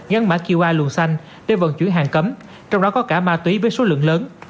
gắn mã qa luồng xanh để vận chuyển hàng cấm trong đó có cả ma túy với số lượng lớn